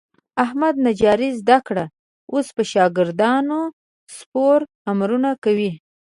احمد نجاري زده کړه. اوس په شاګردانو سپور امرونه کوي.